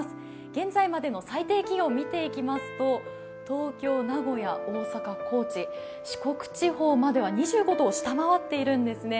現在までの最低気温、見ていきますと東京、名古屋、大阪、高知、四国地方までは２５度を下回っているんですね。